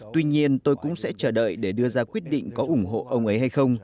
tuy nhiên tôi cũng sẽ chờ đợi để đưa ra quyết định có ủng hộ ông ấy hay không